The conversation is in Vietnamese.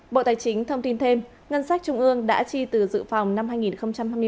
bộ tài chính thông tin thêm ngân sách trung ương đã chi từ dự phòng năm hai nghìn hai mươi bốn